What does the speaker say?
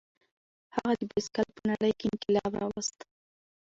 هغه د بایسکل په نړۍ کې انقلاب راوست.